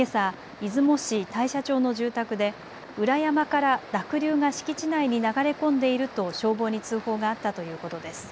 出雲市大社町の住宅で裏山から濁流が敷地内に流れ込んでいると消防に通報があったということです。